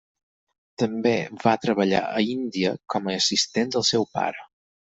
També va treballar a Índia com a assistent del seu pare.